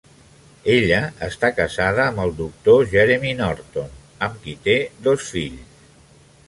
Ella està casada amb el doctor Jeremy Norton, amb qui té dos fills.